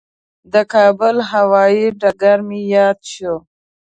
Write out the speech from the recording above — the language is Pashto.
د کابل هوایي ډګر مې یاد شو.